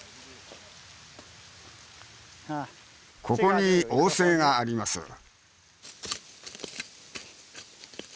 ここに黄精があります